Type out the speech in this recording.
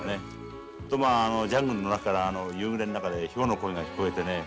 ジャングルの中から夕暮れの中でヒョウの声が聞こえてね